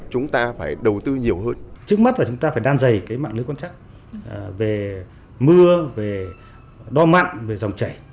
trước mắt là chúng ta phải đan dày cái mạng lưới quan trắc về mưa về đo mặn về dòng chảy